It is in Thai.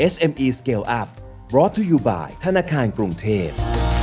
สวัสดีครับ